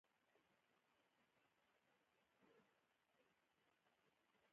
• شنې سترګې د دقت او پرېکړې کولو ظرفیت زیاتوي.